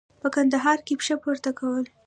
په کندهار کې پشه پورته کول.